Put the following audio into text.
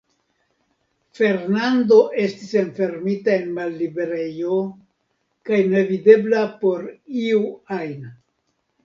Fernando estis enfermita en malliberejo, kaj nevidebla por iu ajn.